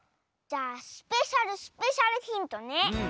じゃあスペシャルスペシャルヒントね。